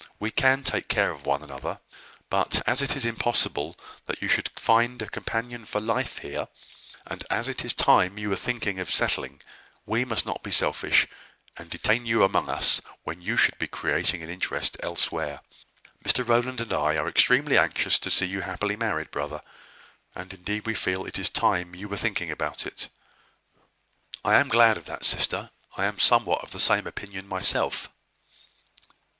We can take care of one another: but, as it is impossible that you should find a companion for life here, and as it is time you were thinking of settling, we must not be selfish, and detain you among us when you should be creating an interest elsewhere. Mr Rowland and I are extremely anxious to see you happily married, brother; and indeed we feel it is time you were thinking about it." "I am glad of that, sister. I am somewhat of the same opinion myself."